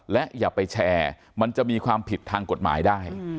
และอย่าไปแชร์มันจะมีความผิดทางกฎหมายได้